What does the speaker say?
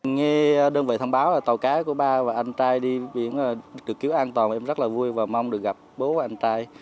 nghe đơn vị thông báo là tàu cá của ba và anh trai đi biển được cứu an toàn em rất là vui và mong được gặp bố anh tai